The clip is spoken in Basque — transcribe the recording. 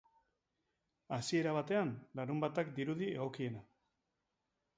Hasiera batean, larunbatak dirudi egokiena.